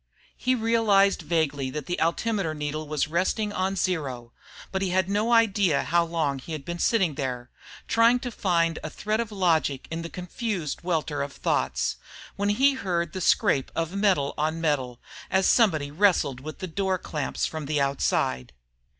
He realized vaguely that the altimeter needle was resting on zero, but he had no idea how long he had been sitting there, trying to find a thread of logic in the confused welter of thoughts, when he heard the scrape of metal on metal as somebody wrestled with the door clamps from the outside.